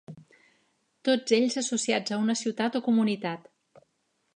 Tots ells associats a una ciutat o comunitat.